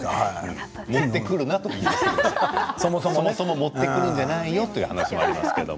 そもそも持ってくるんじゃないよという話ですよ。